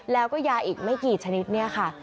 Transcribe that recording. แล้วก็ยาอีกไม่กี่ชนิดเนี่ยค่ะ